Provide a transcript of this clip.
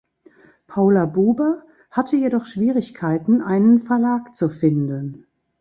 Paula Buber hatte jedoch Schwierigkeiten, einen Verlag zu finden.